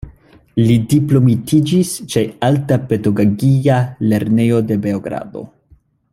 Li diplomitiĝis ĉe Alta Pedagogia Lernejo de Beogrado.